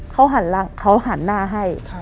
เขาหันหน้าให้